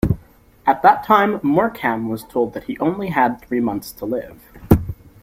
At that time, Morecambe was told he only had three months to live.